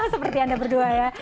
seperti anda berdua ya